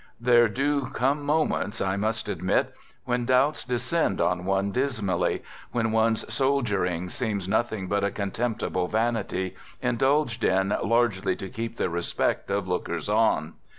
There do come moments, I must admit, when doubts descend on one dismally, when one's soldiering seems nothing but a contemptible vanity, indulged in largely to keep the respect of lookers on.